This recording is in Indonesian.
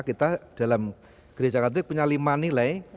kita dalam gereja katetik punya lima nilai